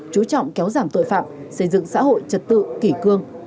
chú trọng kéo giảm tội phạm xây dựng xã hội trật tự kỷ cương